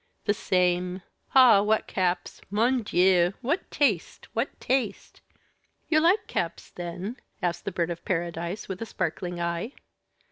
"The same! Ah! what caps! Mon Dieu! what taste! what taste!" "You like caps, then?" asked the Bird of Paradise, with a sparkling eye.